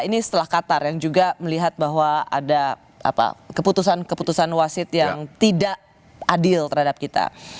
ini setelah qatar yang juga melihat bahwa ada keputusan keputusan wasit yang tidak adil terhadap kita